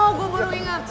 oh gue baru ingat